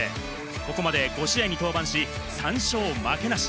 ここまで５試合に登板し３勝負けなし。